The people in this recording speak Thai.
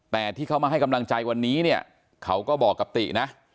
แต่ที่เขามาให้กำลังใจวันนี้เนี่ยเขาก็บอกกับตินะ